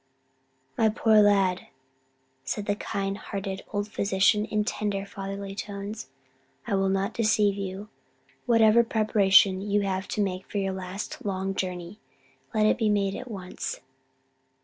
"My poor lad," said the kind hearted old physician, in tender, fatherly tones, "I will not deceive you. Whatever preparation you have to make for your last long journey, let it be made at once."